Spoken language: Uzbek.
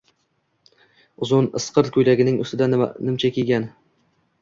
Uzun, isqirt ko‘ylagining ustidan nimcha kiygan